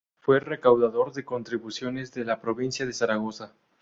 Fue recaudador de Contribuciones de la provincia de Zaragoza.